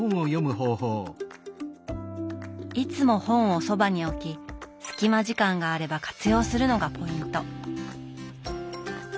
いつも本をそばに置き隙間時間があれば活用するのがポイント。